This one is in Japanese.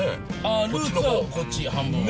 あルーツはこっち半分。